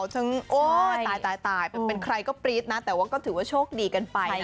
โอ้ยตายเป็นใครก็ปรี๊ดนะแต่ว่าก็ถือว่าโชคดีกันไปนะ